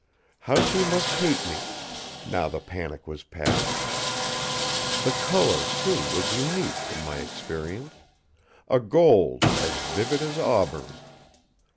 How she must hate me, now the panic was past! The color, too, was unique, in my experience; a gold as vivid as auburn.